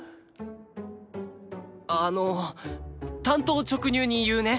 あの単刀直入に言うね。